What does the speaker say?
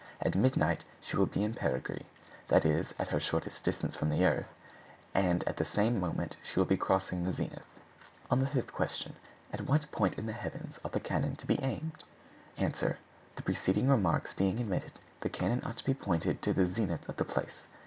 At midnight she will be in perigee, that is, at her shortest distance from the earth, and at the same moment she will be crossing the zenith. On the fifth question, "At what point in the heavens ought the cannon to be aimed?" Answer.—The preceding remarks being admitted, the cannon ought to be pointed to the zenith of the place.